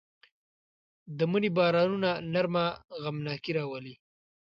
د مني بارانونه نرمه غمناکي راولي